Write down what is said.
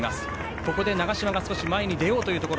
ここで長嶋が前に出ようというところ。